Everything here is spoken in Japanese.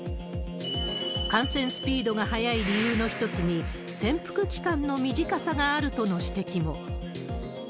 感染スピードが速い理由の一つに、潜伏期間の短さがあるとの指摘も。